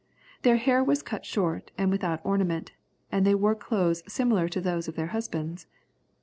Their hair was cut short and without ornament, and they wore clothes similar to those of their husbands.